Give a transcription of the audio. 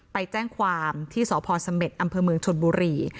ไปแจ้งความที่สพเสม็ดอำเภอเมืองชนบุรี